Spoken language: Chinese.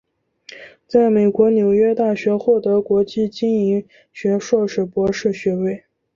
在美国纽约大学获得国际经营学硕士博士学位。